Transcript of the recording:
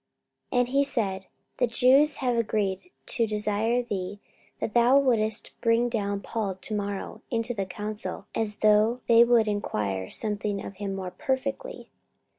44:023:020 And he said, The Jews have agreed to desire thee that thou wouldest bring down Paul to morrow into the council, as though they would enquire somewhat of him more perfectly.